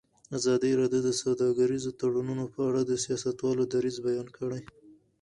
ازادي راډیو د سوداګریز تړونونه په اړه د سیاستوالو دریځ بیان کړی.